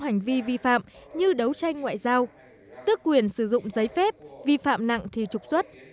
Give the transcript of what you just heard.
hành vi vi phạm như đấu tranh ngoại giao tước quyền sử dụng giấy phép vi phạm nặng thì trục xuất